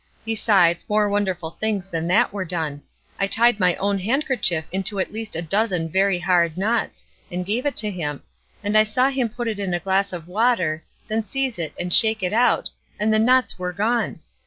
Besides, more wonderful things than that were done. I tied my own handkerchief into at least a dozen very hard knots, and gave it to him, and I saw him put it in a glass of water, then seize it and shake it out, and the knots were gone.